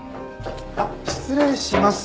あっ失礼します。